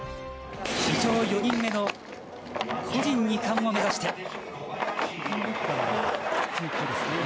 史上４人目の個人２冠を目指して。